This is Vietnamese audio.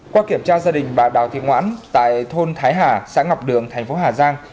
qua kiểm tra gia đình bà đào thị ngoãn tại thôn thái hà xã ngọc đường thành phố hà giang